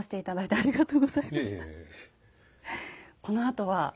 このあとは？